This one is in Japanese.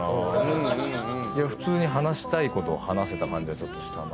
普通に話したいことを話せた感じがちょっとしたな。